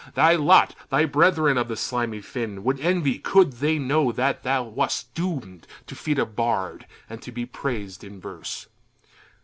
Thy lot thy brethern of the slimy fin Would envy, could they know that thou wast doom'd To feed a bard, and to be prais'd in verse.